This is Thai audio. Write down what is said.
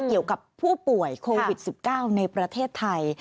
เกี่ยวกับผู้ป่วยโควิด๑๙ในประเทศไทย